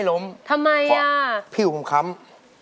ดำทำ